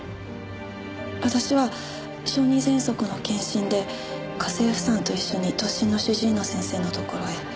私は小児ぜんそくの検診で家政婦さんと一緒に都心の主治医の先生のところへ。